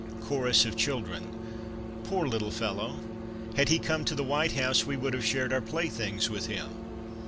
Chorus of children :" Poor little fellow! Had he come to the White House we would have shared our playthings with him."